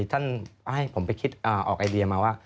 ท่านให้ผมไปคิดออกไอเดียมาว่า